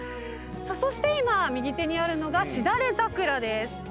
そして今右手にあるのがシダレザクラです。